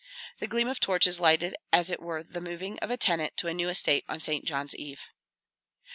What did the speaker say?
The gleam of torches lighted as it were the moving of a tenant to a new estate on St. John's Eve.